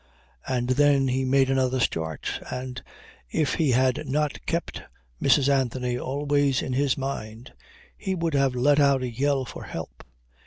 And then he made another start and, if he had not kept Mrs. Anthony always in his mind, he would have let out a yell for help.